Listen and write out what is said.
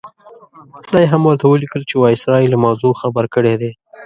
دا یې هم ورته ولیکل چې وایسرا یې له موضوع خبر کړی دی.